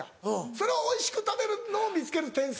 それをおいしく食べるのを見つける天才。